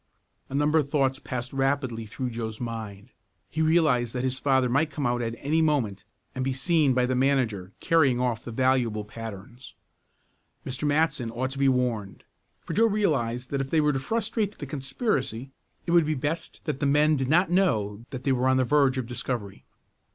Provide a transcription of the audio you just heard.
A number of thoughts passed rapidly through Joe's mind. He realized that his father might come out at any moment and be seen by the manager carrying off the valuable patterns. Mr. Matson ought to be warned, for Joe realized that if they were to frustrate the conspiracy it would be best that the men did not know that they were on the verge of discovery.